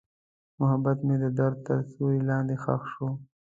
محبت مې د درد تر سیوري لاندې ښخ شو.